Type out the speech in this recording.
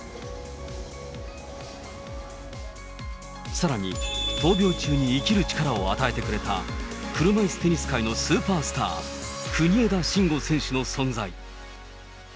さらに、闘病中に生きる力を与えてくれた、車いすテニス界のスーパースター、国枝慎吾選手の存在。